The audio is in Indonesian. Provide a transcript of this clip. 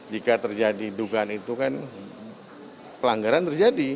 jika terjadi dugaan itu kan pelanggaran terjadi